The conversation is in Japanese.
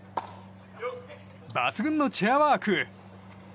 抜群のチェアワーク。